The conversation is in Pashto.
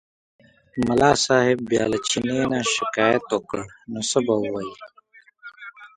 ملا صاحب بیا له چیني نه شکایت وکړ نو څه به ووایي.